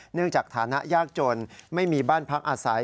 จากฐานะยากจนไม่มีบ้านพักอาศัย